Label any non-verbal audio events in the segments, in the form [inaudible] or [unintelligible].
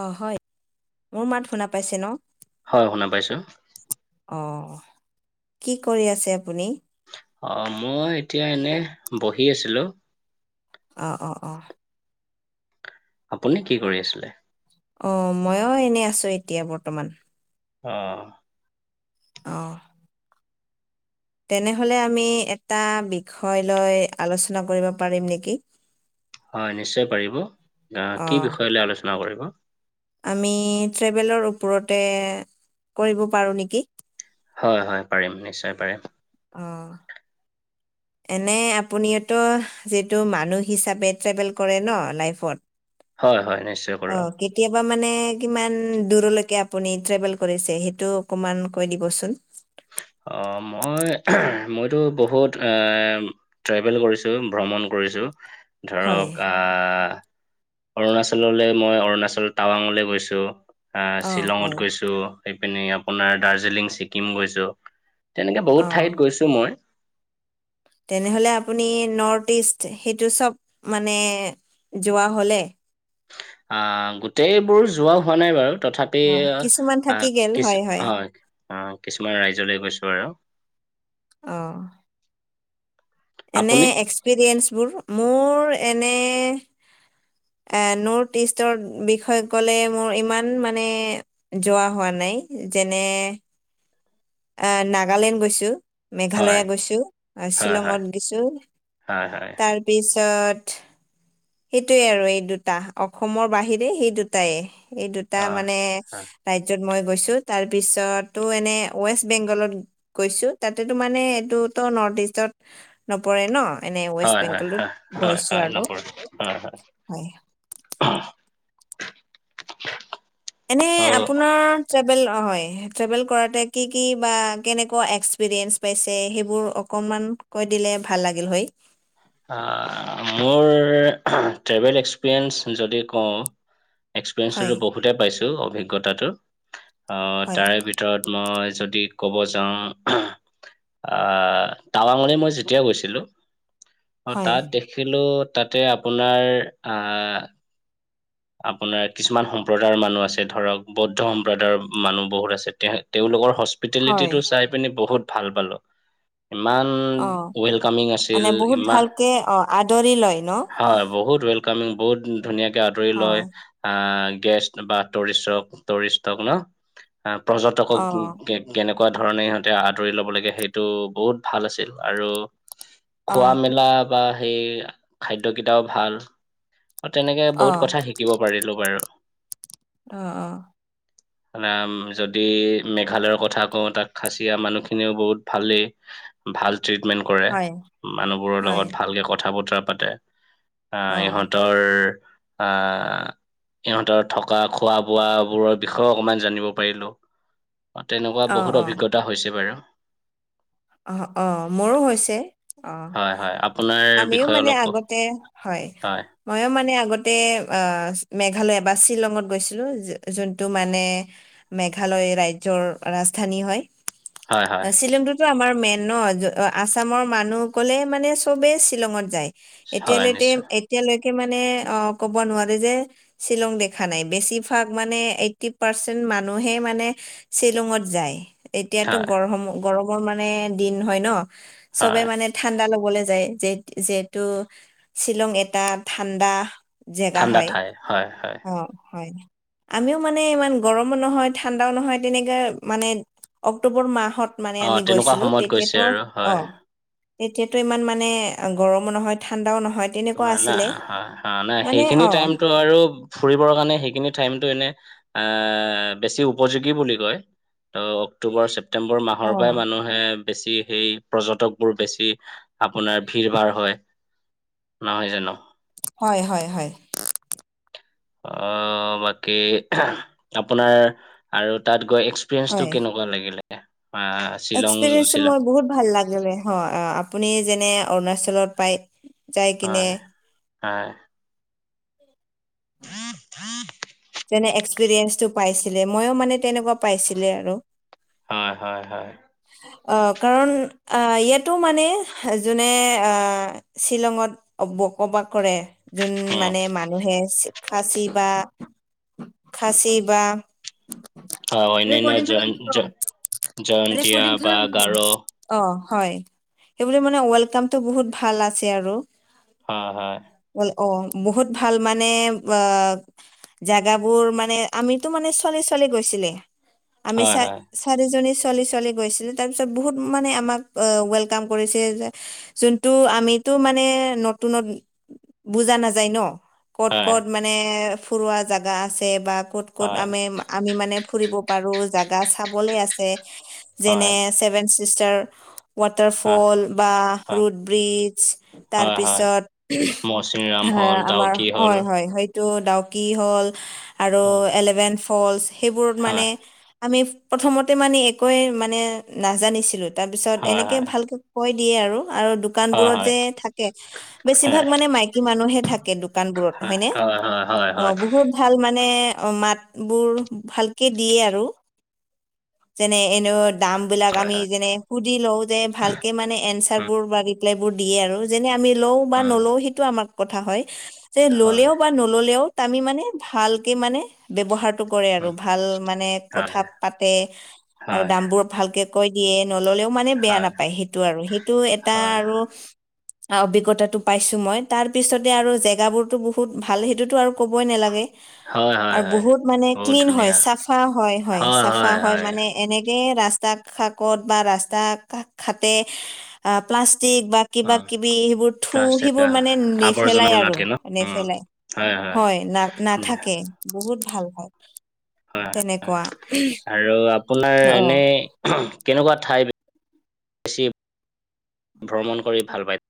অ', হয়, মোৰ মাত শুনা পাইছে ন? হয় শুনা পাইছো অহ, কি কৰি আছে আপুনি? অ', মই এতিয়া এনেই বহি আছিলো। অ', অ', অ'। আপুনি কি কৰি আছিলে? অ', ময়ো এনেই আছো এতিয়া বৰ্তমান। অ'। অ'। তেনেহ'লে আমি এটা বিষয় লৈ আলোচনা কৰিব পাৰিম নেকি? হয়, নিশ্চয় পাৰিব। অহ অ কি বিষয়লৈ আলোচনা কৰিব? আমি ট্ৰেভেলৰ ওপৰতে কৰিব পাৰো নেকি! হয়, হয়, পাৰিম নিশ্চয় পাৰিম। অ'। এনে আপুনিওতো যিটো মানুহ হিচাপে ট্ৰেভেল কৰে ন লাইফত। হয়, হয়, নিশ্চয় অ কৰো। কেতিয়াবা মানে কিমান দূৰলৈকে আপুনি ট্ৰেভেল কৰিছে সেইটো অকমান কৈ দিবচোন। অ', মই মইতো বহুত এ ট্ৰেভেল কৰিছো ভ্ৰমণ কৰিছো। হয় ধৰক আহ অৰুণাচললৈ মই অৰুণাচল টাৱাঙলৈ গৈছো আহ অ হয় শ্বিলঙত গৈছো। এইপিনে আপোনাৰ দাৰ্জিলিং, ছিকিম গৈছো তেনেকৈ বহুত অ ঠাইত গৈছো মই। তেনেহ'লে আপুনি নৰ্থ ইষ্ট সেইটো চব মানে যোৱা হ'লে? আহ গোটেইবোৰ যোৱা হোৱা নাই বাৰু তথাপি অ' কিছুমান থাকি আহ গ'ল কিছু হয়। অ', কিছুমান ৰাজ্যলৈ গৈছো আৰু। অ'। এনে আপুনি এক্সপিৰিয়েঞ্চবোৰ? মোৰ এনে এ নৰ্থ ইষ্টৰ বিষয়ে ক'লে মোৰ ইমান মানে যোৱা হোৱা নাই। যেনে এ নাগালেণ্ড গৈছো। হয় মেঘালয়া গৈছো হয় হয় শ্বিলঙত গৈছো। হয় হয় তাৰপিছত সেইটোৱে আৰু এই দুটা অসমৰ বাহিৰে সেই দুটায়ে। এই দুটা অ মানে ৰাজ্যত মই গৈছো। তাৰপিছতো এনে ৱেষ্ট বেংগলত গৈছো। তাতেতো মানে এইটোতো নৰ্থ ইষ্টত নপৰে ন। এনে ৱেষ্ট হয়, হয়, বেংগলত হয়, হয়, গৈছো হয়, আৰু নপৰে। হয়, হয়। [inaudible] এনে অ আপোনাৰ ট্ৰেভেল হয়, ট্ৰেভেল কৰোঁতে কি কি, বা কেনেকুৱা এক্সপিৰিয়েঞ্চ পাইছে, সেইবোৰ অকমান, কৈ দিলে ভাল লাগিল হয়। মোৰ ট্ৰেভেল এক্সপিৰিয়েঞ্চ, যদি কওঁ হয় এক্সপিৰিয়েন্ঞ্চো বহুতে পাইছোঁ, অভিজ্ঞতাটো, অ' হয় তাৰে ভিতৰত ভিতৰত মই যদি ক'ব যাওঁ টাৱাঙলৈ মই যেতিয়া গৈছিলোঁ অ', হয় তাত দেখিলো, তাতে আপোনাৰ আহ আপোনাৰ কিছুমান সম্প্ৰদায়ৰ মানুহ আছে, ধৰক বৌদ্ধ সম্প্ৰদায়ৰ মানুহ বহুত আছে, তেওঁ তেওঁলোকৰ হয় স্পিটেলিটিটো চাই পিনি বহুত ভাল পালোঁ। ইমান অ ৱেলকামিং আছিল, মানে বহুত ইমান ভালকে অ আদৰি লয় ন হয়, বহুত ৱেল বহুত ধুনীয়াকে আদৰি লয়, হয় আহ, গেষ্ট বা টুৰিষ্ট, টুৰিষ্টক ন', পৰ্যটকক অ কেনেকুৱা ধৰণে ইহঁতে আদৰি ল'ব লাগে, সেইটো বহুত ভাল আছিল, আৰু খোৱা অ', মেলা বা সেই খাদ্যকেইটাও ভাল, তেনেকে বহুত অ', থিকিব পাৰিলো বাৰু। আহ, অ'। মানে যদি, মেঘালয়ৰ কথা কওঁ, তাত খাচিয়া মানুহখিনিও বহুত ভালেই। ভাল ট্ৰিটমেন্ট কৰে, হয়, মানুহবোৰৰ হয়, লগত ভালকে কথা বতৰা পাতে। আহ, অ', ইহঁতৰ আহ ইহঁতৰ থকা, খোৱা বোৱা বোৰৰ বিষয়েও, অকমান জানিব পাৰিলো। তেনেকুৱা অ', বহুত অ', অভিজ্ঞতা হৈছে বাৰু। আহ, অ', মোৰো হৈছে, অ' হয় হয় আপোনাৰ আমিও বিষয়ে মানে অলপ ক আগতে, হয়। ময়ো মানে আগতে আহ, মেঘালয় বা শ্বিলঙত গৈছিলোঁ, যোনটো মানে মেঘালয় ৰাজ্যৰ ৰাজধানী হয়, হয় হয় শ্বিলংটোত এইটো আমাৰ মেইন ন', আছামৰ মানুহ ক'লে মানে চবেই শ্বিলঙত যায়। হয় এতিয়ালৈকে, নিশ্চয় এতিয়ালৈকে মানে অ', ক'ব নোৱাৰে যে শ্বিলং দেখা নাই, বেছিভাগ মানে এইটটি পাৰ্চেন্ট মানুহে মানে শ্বিলঙত যায়। এতিয়াটো হয় গৰম, গৰমৰ মানে দিন হয় ন', চবে হয় মানে ঠাণ্ডা ল'বলৈ যায়, যিহেতু শ্বিলং এটা ঠাণ্ডা জেগা ঠাণ্ডা হয়, ঠাই হয় হয় অ' হয়। আমিও মানে ইমান গৰমো নহয়, ঠাণ্ডাও নহয়, তেনেকে মানে অক্টোবৰ মাহত মানে ম অ আমি তেনেকুৱা গৈছিলোঁ, সময়ত গৈছে তেতিয়াটো আৰু হয় অ' তেতিয়াটো ইমান মানে, গৰমো নহয় ঠাণ্ডাও নহয়। তেনেকুৱা মানে, আছিলে নাই নাই, মানে সেইখিনি অ টাইমতটো ত', আৰু ফুৰিবৰ কাৰণে সেইখিনি টাইমটো এনে, এ, বেছি উপযোগী বুলি কয়। ত', অক্টোবৰ ছেপ্তেম্বৰ অ মাহৰ পৰাই মানুহে বেছি সেই, পৰ্যটকবোৰ বেছি আপোনাৰ ভিৰ ভাৰ হয়। নহয় জানো? হয়, হয়, হয়। অ', বাকী, আপোনাৰ আৰু তাত গৈ হয় এক্স [unintelligible] এক্সপিৰিয়েঞ্চটো মোৰ বহুত ভাল লাগিলে, আপুনি যেনে অৰুণাচলত পায় হয়, হয়। [unintelligible] যেনে এক্সপিৰিয়েঞ্চটো পাইছিলে, ময়ো মানে তেনেকুৱা পাইছিলে আৰু। হয়, হয়, হয়। অঁ, কাৰণ ইয়াতো, মানে যোনে শ্বিলঙত বসবাস কৰে। যোন উম মানে মানুহে, খাচী বা খাচী বা হয় ৰেং অন্যান্য খ ন জয়ন জ- জয়ন্তীয়া ৰেং বা খেল ন গাৰো [unintelligible] অ', হয়, সেইবুলি মানে ৱেলকামটো বহুত ভাল আছে আৰু। হয়, হয়। ল অ', বহুত ভাল মানে, অ' জোগাবোৰ মানে, আমিটো মানে ছোৱালী, ছোৱালী গৈছিলে, আমি চ হয় হয় চাৰিজনী ছোৱালী, ছোৱালী গৈছিলে তাৰ পিছত বহুত মানে আমাক আহ, ৱেলকাম কৰিছে যে যোনটো আমিতো মানে, নতুনত বুজা নাযায় ন'। ক'ত হয়, ক'ত মানে ফুৰোৱা জেগা আছে, বা ক'ত ক'ত হয়, আমি আমি মানে ফুৰিব পাৰো, জাগী চাবলে আছে, হয়, যেনে চিষ্টাৰ ৱাটাৰ হয়, ফল, বা হয়, ৰোড ব্ৰিজ, হয়, হয়। তাৰপিছত হ, মৌচিনৰাম হ'ল, আমাৰ ডাউকি হ'ল। হয়, হয়, হয়। টো, ডাউকি হল, আৰু অ', এলেভেন ফলচ, সেইবোৰত মানে হয়, আমি প্ৰথমতে মানে একোৱে মানে নাজানিছিলো, তাৰপিছত হয়, এনেকে হয়, ভালকে কৈ দিয়ে আৰু। দোকান হয়, বোৰত হয়, যে থাকে, বেছিভাগ হয়, মানে মাইকী মানুহে থাকে দোকান বোৰত, হয়নে? হয়, হয়, হয়, অ হয়। বহুত ভাল মানে, অ', মাত বোৰ ভালকে দিয়ে আৰু। যেনে এনেও দাম বিলাক, হয়, আমি হয়। যেনে সুধি লওঁ যে, ভালকে মানে এনচাৰ উম, বোৰ বা ৰিপ্লাই বোৰ দিয়ে আৰু, যেনে আমি লওঁ বা উম, নলওঁ সেইটো আমাৰ কথা হয়, যে হয়, ল'লেও বা নল'লেও ত' আমি মানে, ভালকে মানে ব্যৱহাৰ কৰে আৰু, উম, ভাল মানে হয়, কথা পাতে, হয়, আৰু দ হয়, ভালকে কৈ দিয়ে, নল'লেও মানে বেয়া হয়, নাপায় সেইটো, আৰু সেইটো এটা আৰু অভিজ্ঞতাটো পাইছোঁ মই, তাৰ পিছতে আৰু জেগাবোৰটো বহুত ভাল, সেইটোটো আৰু ক'বই নালাগে। হয়, হয়, আৰু হয়। বহুত মানে বহুত ক্লিন হয়, ধুনীয়া। চাফা হয় হয়, চাফা হয়, মানে এনেকে ৰাস্তা কাষত বা ৰাস্তা ঘাটে অ', প্লাষ্টিক বা কিবা উম, কিবি সেইবোৰ থু, প্লাষ্টিক সেইবোৰ মানে নেফেলাই আৱৰ্জনাবোৰ আৰু নাথাকে ন? উম, নেফেলাই। হয় না ধুনীয়া। নাথাকে, বহুত ভাল হয়, হয়, হয়। তেনেকুৱা। আৰু আপোনাৰ অ এনেই, কেনেকুৱা ঠাই, বেছি ভ্ৰমণ কৰি ভাল পায়,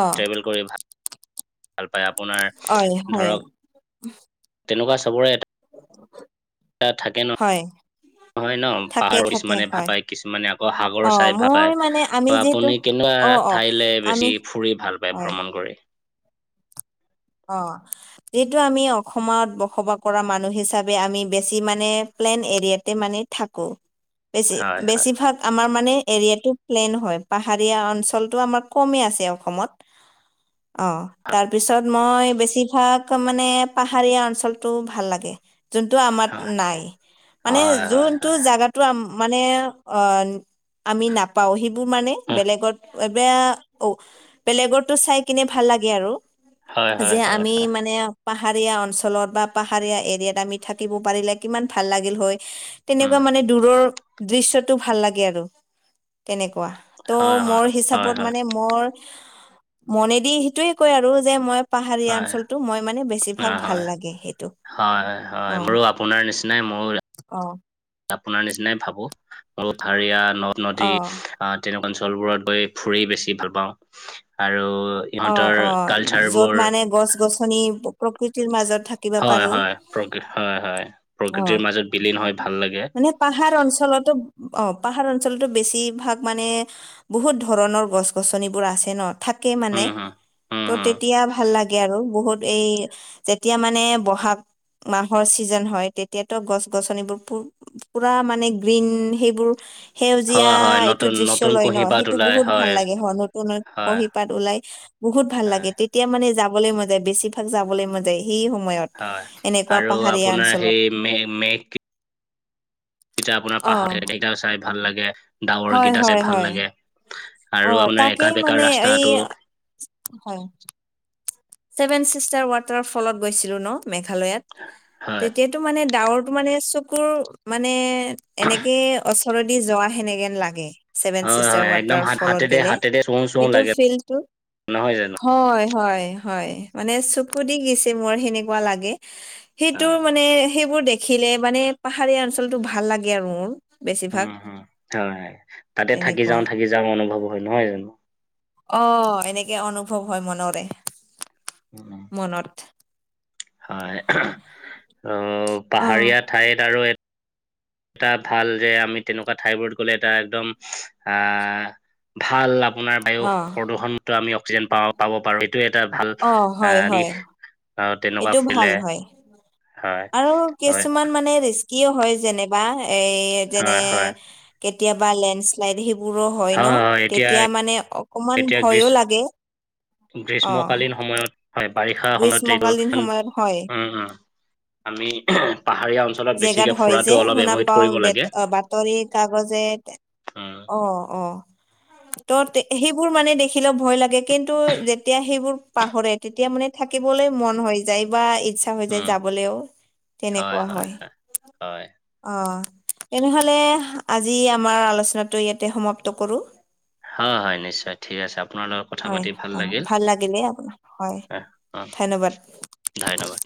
অ ট্ৰেভেল কৰি ভ ভাল পায়, আপোনাৰ হয়, হয়। ধৰক তেনেকুৱা চাবৰে এটা থাকে ন'। হয় হয় ন', থাকে পাহাৰক থাকে কিছুমানে ভাল হয় পায়, কিছুমানে আকৌ সাগৰ অ চাই ভাল মই পায়, মানে আমি ত' যিহেতু আপুনি কেনেকুৱা অ অ ঠাইলৈ আমি বেছি ফুৰি ভাল পায়, হয় ভ্ৰমণ কৰি। অ'। যিহেতু আমি অসমত বসবাস কৰা মানুহ হিচাপে আমি বেছি মানে, প্লেন এৰিয়াতে মানে থাকো, বেছি, হয় হয় বেছিভাগ আমাৰ মানে এৰিয়াাটো প্লেইন হয়, পাহাৰীয়া অঞ্চলটো আমাৰ কমেই আছে অসমত। অ ', তাৰপিছত মই বেছিভাগ মানে পাহাৰীয়া অঞ্চলটো ভাল লাগে। যোনটো আমাৰ হয় নাই, মানে হয় হয় যোনটো হয় জোগাত মানে অ' আমি নাপাওঁ, সেইবোৰ মানে হুহ, বেলেগত বেয়া অ', বেলেগৰটো চাই কিনে ভাল লাগে আৰু। হয় হয় যে হয় আমি হয় মানে পাহাৰীয়া অঞ্চলত, বা পাহাৰীয়া এৰিয়াত আমি থাকিব পাৰিলে, কিমান ভাল লাগিল হয়। উম তেনেকুৱা মানে, দূৰৰ দৃশ্যটো ভাল লাগে আৰু, তেনেকুৱা। ত, হয় মোৰ হয় হয় হিচাপত হয় মানে মোৰ, মনেদি সেইটোৱে কয় আৰু যে মই পাহাৰীয়া হয় অঞ্চলতটো মই মানে অ বেছিভাগ ভাল লাগে সেইটো। হয়, হয়, হয়, অ মোৰো আপোনাৰ নিচিনাই মোৰো অ, আপোনাৰ নিচিনাই ভাবো, মোৰ পাহাৰীয়া নদ-নদী। অ তেনেকুৱা অঞ্চলবোৰত গৈ ফুৰি বেছি ভাল পাওঁ, আৰু অ, ইহঁতৰ অ, য'ত কালচাৰবোৰ মানে গছ-গছনি প্ৰকৃতিৰ মাজত থাকে হয়, হয়, প্ৰকৃ- হয়, হয়, অ প্ৰকৃতিৰ মাজত বিলীন হয় ভাল লাগে। মানে পাহাৰ অঞ্চলতো অ, পাহাৰ অঞ্চলতো বেছিভাগ মানে বহুত ধৰণৰ গছ-গছনিবোৰ আছে ন থাকে মানে উম, হুম, উম, ত হুম, তেতিয়া ভাল লাগে আৰু বহুত এই যেতিয়া মানে ব'হাগ মাহৰ ছিজন হয়, তেতিয়াতো গছ-গছনিবোৰ প পুৰা মানে গ্ৰীণ সেইবোৰ সেউজীয়া হয়, হয়, এইটো নতুন দৃশ্য নতুন লয় ন, কুঁহিপাত সেইটো ওলাই বহুত ভাল লাগে হয় নতুন হয়, খহি পাত ওলাই। বহুত ভাল হয়, লাগে, তেতিয়া মানে যাবলৈ মন যায় বেছিভাগ যাবলৈ মন যায়, সেই সময়ত। হয়, এনেকুৱা আৰু পাহাৰীয়া আপোনাৰ অঞ্চলত সেই মে, মে, মেঘ কি-টা আপোনাৰ অ পাহাৰিয়া যেগা চাই ভাল লাগে। ডাৱৰ হয় গীত আছে হয় ভাল হয় লাগে অ আৰু আপোনাৰ তাকেই একা-বেকা মানে এই ৰাস্তাটো হয়। ছেভেন ছিষ্টাৰ ৱাটাৰৰ ফলত গৈছিলো ন, মেঘালয়ত। হয়। টো মানে ডাৱৰটো মানে চকুৰ মানে এনেকেই [inaudible] যোৱা সেনেকেন লাগে। ছেভেন হয়, চিষ্টাৰ হয়, একদম ৱাটাৰ হাত ফলত হাতেৰে গে'লে হাতেৰে চুওঁ চুওঁ সেইটো লাগে ফিল্ডটো নহয় জানো? হয়, হয়, হয়, মানে চকু দি গছে মোৰ সেনেকুৱা লাগে। সেইটো হয়, মানে সেইবোৰ দেখিলে মানে পাহাৰীয়া অঞ্চলটো ভাল লাগে আৰু মোৰ। বেছিভাগ উম, হম হয় তাতে থাকি তেনেকুৱা যাও থাকি যাওঁ অনুভৱ হয়, নহয় জানো। অ, এনেকে অনুভৱ হয় মনৰে। উম, উম, মনত। হয় অ, অ পাহাৰীয়া ঠাইত আৰু এটা ভাল যে আমি তেনেকুৱা ঠাই বোৰত গ'লে এটা একদম আহ ভাল আপোনাৰ বায়ু অ প্ৰদূষণ মত আমি অক্সিজেন প, পাব পাৰো এইটোয়ে এটা ভাল অ হয় আহ হয় দিশ। আৰু তেনেকুৱা এইটো ভাল ফুলে। হয় আৰু কিছুমান মানে ৰিস্কিও হয় যেনিবা এ যেনে হয়, হয়, হয়, কেতিয়াবা লেণ্ডশ্লাইড সেইবোৰো হয় ন, তেতিয়া মানে অকমান এতিয়া গ্ৰীষ্ ভয়ো লাগে। অ গ্ৰীষ্মকালীন সময়ত হয়, বাৰিষা সময়ত এইটো গ্ৰীষ্মকালীন উম, সময়ত হয় উম, আমি পাহাৰীয়া অঞ্চল জেগাত হয় যে, শুনা পাও ব বাতৰি কাগজে উম, অ, অ, ত, সেইবোৰ মানে দেখিলে ভয় লাগে কিন্তু যেতিয়া সেইবোৰ। পাহৰে তেতিয়া মানে থাকিবলৈ মন হৈ যায় বা ইচ্ছা ত, হৈ যায় উম, যাবলৈও তেনেকুৱা হয়। হয়। অ, তেনেহ'লে আজি আমাৰ আলোচনাটো ইয়াতে সমাপ্ত কৰো। হয়, হয়, নিশ্চয় ঠিক আছে আপোনালোক হয়, অ, ভাল লাগিলেই আাৰ হয় হ্যাঁ হ্যাঁ ধন্যবাদ। ধন্যবাদ।